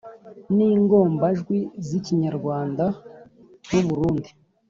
ningombajwi z’ikinyarwanda, nuburundi